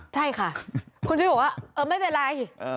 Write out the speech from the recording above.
ใช่ค่ะคุณชุวิตบอกว่าเออไม่เป็นไร